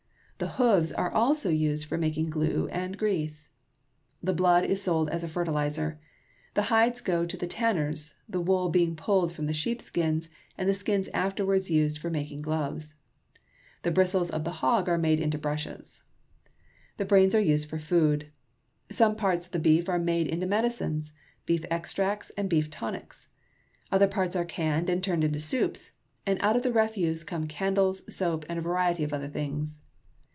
The hoofs are also used for making glue and grease. The blood is sold as a fertilizer. The hides go to the tanners, the wool being pulled from the sheepskins, and the skins afterwards used for making gloves. The bristles of the hog are made into brushes. The brains are used for food. Some parts of the beef are made into medicines, beef extracts, and beef tonics. Other parts are canned and turned into soups, and out of the refuse come candles, soap, and a variety of other things.